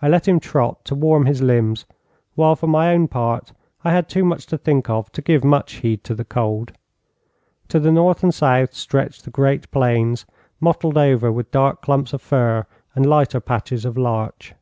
I let him trot to warm his limbs, while for my own part I had too much to think of to give much heed to the cold. To north and south stretched the great plains, mottled over with dark clumps of fir and lighter patches of larch.